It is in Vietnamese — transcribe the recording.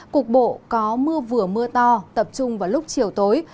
cục bộ có mưa vừa mưa to tập trung vào lúc chiều tối